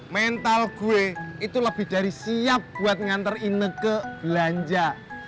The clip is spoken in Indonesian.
mental gue itu lebih dari siap buat nganter ine ke belanja